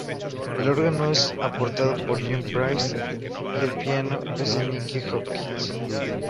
El órgano es aportado por Jim Price y el piano es de Nicky Hopkins.